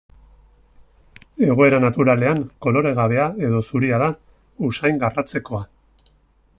Egoera naturalean koloregabea edo zuria da, usain garratzekoa.